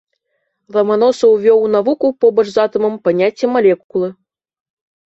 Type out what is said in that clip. Ламаносаў увёў у навуку побач з атамам паняцце малекулы.